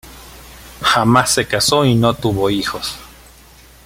Jamás se casó y no tuvo hijos.